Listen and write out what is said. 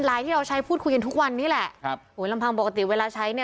ที่เราใช้พูดคุยกันทุกวันนี้แหละครับโหลำพังปกติเวลาใช้เนี่ย